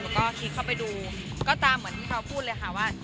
แล้วก็คิดเข้าไปดูก็ตามเหมือนที่เขาพูดเลยค่ะว่า